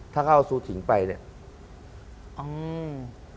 ถ้าเข้าสู่ถิ่งไปเนี่ย